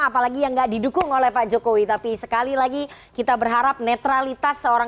apalagi yang enggak didukung oleh pak jokowi tapi sekali lagi kita berharap netralitas seorang kepala jokowi tidak akan ditentukan